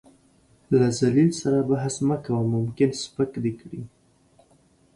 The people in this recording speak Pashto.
له ذليل سره بحث مه کوه ، ممکن سپک دې کړي .